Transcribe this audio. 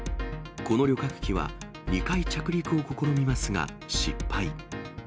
この旅客機は２回着陸を試みますが、失敗。